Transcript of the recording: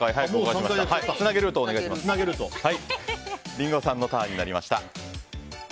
リンゴさんのターンになりました。